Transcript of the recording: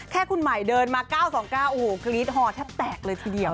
คุณใหม่เดินมา๙๒๙โอ้โหกรี๊ดฮอแทบแตกเลยทีเดียว